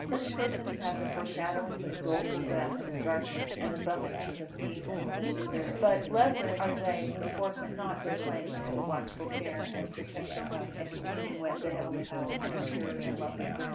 Such persons have the foreshadowings of a doleful death, and of darkness, and the buffetings of fiends and malicious spirits. But, blessed are they who forfeit not their claims to the watchful care and protection of, and communion with, the heavenly powers, and pure and lovely spirits.